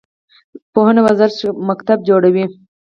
پوهنې وزارت ښوونځي جوړوي